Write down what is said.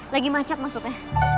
lagi macet maksudnya